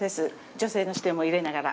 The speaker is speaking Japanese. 女性の視点も入れながら。